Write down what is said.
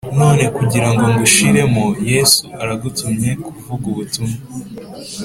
none kugira ng'ushiremo, yesu aragutumye kuvuga ubutumwa.